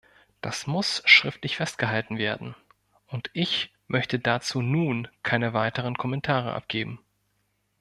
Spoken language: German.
Das muss schriftlich festgehalten werden, und ich möchte dazu nun keine weiteren Kommentare abgeben.